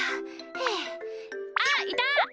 ふあっいた！